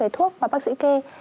thuốc và bác sĩ kê